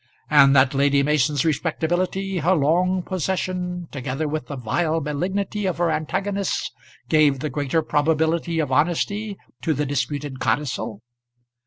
and that Lady Mason's respectability, her long possession, together with the vile malignity of her antagonists, gave the greater probability of honesty to the disputed codicil?